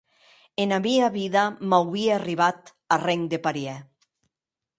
Ena mia vida m’auie arribat arren de parièr.